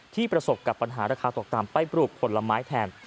ประสบกับปัญหาราคาตกต่ำไปปลูกผลไม้แทน